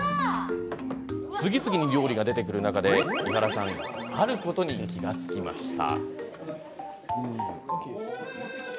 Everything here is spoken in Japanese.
次々に料理が出てくる中で伊原さんあることに気が付きました。